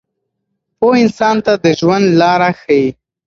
پوهه انسان ته د ژوند لاره ښیي.